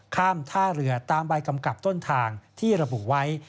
ท่าเรือตามใบกำกับต้นทางที่ระบุไว้